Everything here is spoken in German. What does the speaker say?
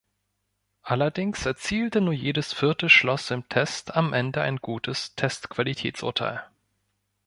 Allerdings erzielte nur jedes vierte Schloss im Test am Ende ein gutes test-Qualitätsurteil.